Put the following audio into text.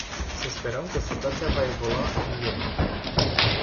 Să sperăm că situația va evolua în bine.